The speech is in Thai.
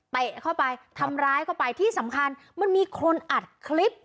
เข้าไปทำร้ายเข้าไปที่สำคัญมันมีคนอัดคลิป